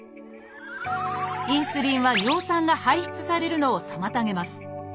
インスリンは尿酸が排出されるのを妨げます。